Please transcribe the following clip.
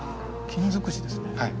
金づくしですね。